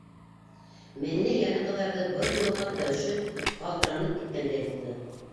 Мәҙинә йәнә ҡыҙарҙы, был юлы хатта өшөп, ҡалтыранып киткәндәй булды.